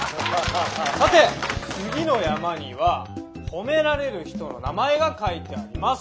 さて次の山には褒められる人の名前が書いてあります。